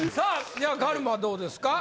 ではカルマどうですか？